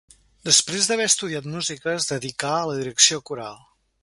Després d'haver estudiat música, es dedicà a la direcció coral.